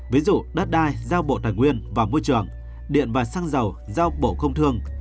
ví dụ đất đai giao bộ thành nguyên và môi trường điện và xăng dầu giao bộ không thường